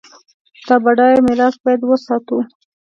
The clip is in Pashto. دا بډایه میراث باید وساتو.